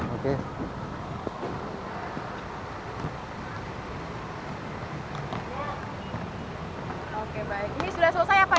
oke baik ini sudah selesai apa ya